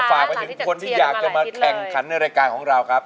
ฝากไปถึงคนที่อยากจะมาแข่งขันในรายการของเราครับ